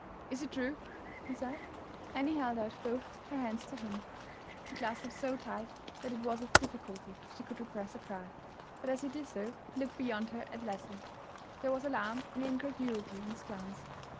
"Is it true?" he said. Annie held out both her hands to him. He clasped them so tight that it was with difficulty she could repress a cry; but as he did so he looked beyond her at Leslie. There was alarm and incredulity in his glance.